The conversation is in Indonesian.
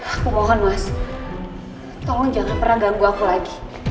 aku mohon mas tolong jangan pernah ganggu aku lagi